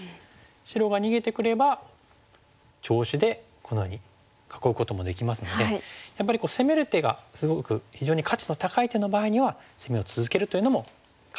白が逃げてくれば調子でこのように囲うこともできますのでやっぱり攻める手がすごく非常に価値の高い手の場合には攻めを続けるというのも可能なんですよね。